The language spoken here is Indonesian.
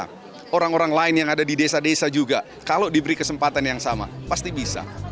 karena orang orang lain yang ada di desa desa juga kalau diberi kesempatan yang sama pasti bisa